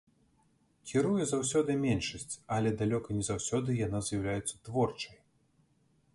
Кіруе заўсёды меншасць, але далёка не заўсёды яна з'яўляецца творчай.